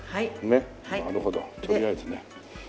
ねえなるほどとりあえずね。